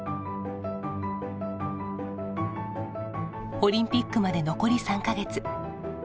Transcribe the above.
オリンピックまで残り３か月。